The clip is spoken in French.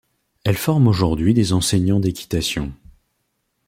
Elle forme aujourd'hui des enseignants d'équitation.